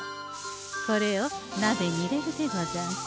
これをなべに入れるでござんす。